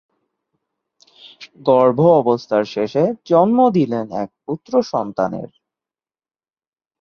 গর্ভাবস্থার শেষে জন্ম দিলেন এক পুত্রসন্তানের।